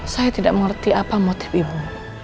saya tidak mengerti apa motif ibu